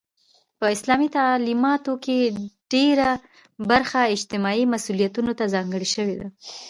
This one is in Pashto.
په اسلامي تعلیماتو کې ډيره برخه اجتماعي مسئولیتونو ته ځانګړې شوی ده.